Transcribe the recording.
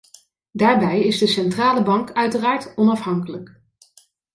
Daarbij is de centrale bank uiteraard onafhankelijk.